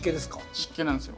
湿気なんですよ。